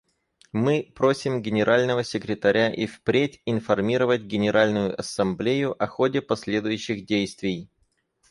Мы просим Генерального секретаря и впредь информировать Генеральную Ассамблею о ходе последующих действий.